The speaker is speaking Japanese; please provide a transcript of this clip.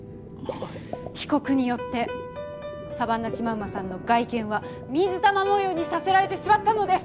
被告によってサバンナシマウマさんの外見は水玉模様にさせられてしまったのです！